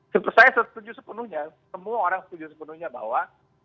saya setuju sepenuhnya semua orang setuju sepenuhnya bahwa